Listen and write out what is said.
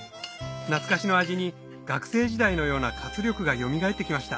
懐かしの味に学生時代のような活力がよみがえって来ました